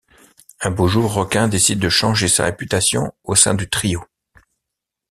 Un beau jour, Requin décide de changer sa réputation au sein du Trio.